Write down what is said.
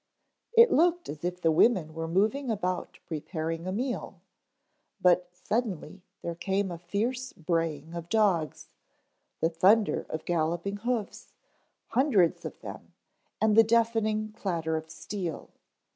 It looked as if the women were moving about preparing a meal, but suddenly there came a fierce braying of dogs, the thunder of galloping hoofs, hundreds of them, and the deafening clatter of steel.